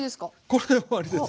これで終わりです。